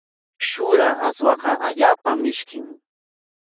Shura aswaqa allaapam mishkin.